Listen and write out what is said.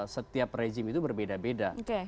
setiap rejim itu berbeda beda